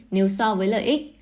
nếu so với lợi ích